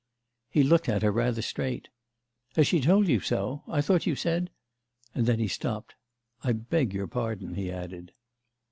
He looked at her rather straight. "Has she told you so? I thought you said—" And then he stopped. "I beg your pardon," he added.